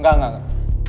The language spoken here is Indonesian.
gak gak gak